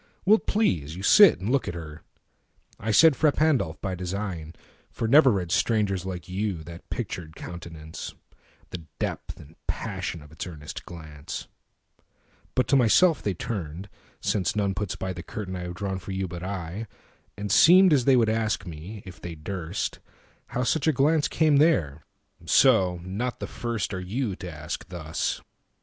Will't please you sit and look at her? I said"Frà Pandolf" by design, for never readStrangers like you that pictured countenance, The depth and passion of its earnest glance, But to myself they turned (since none puts byThe curtain I have drawn for you, but I)And seemed as they would ask me, if they durst, How such a glance came there; so, not the firstAre you to turn and ask thus.